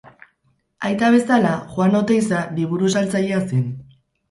Aita bezala, Juan Oteiza liburu-saltzailea zen.